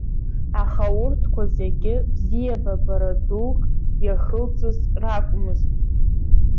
Аха урҭкәа зегьы бзиабара дук иахылҵыз ракәмызт.